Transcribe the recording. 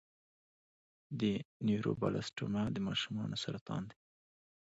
د نیوروبلاسټوما د ماشومانو سرطان دی.